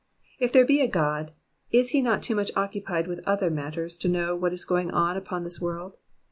If there be a God, is he not too much occupied with other matters to know what is going on upon this world